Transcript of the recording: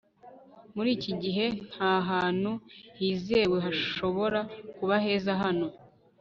muri iki gihe, ntahantu hizewe hashobora kuba heza hano